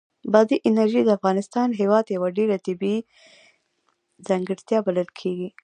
بادي انرژي د افغانستان هېواد یوه ډېره مهمه طبیعي ځانګړتیا بلل کېږي.